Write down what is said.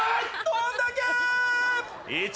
どんだけー。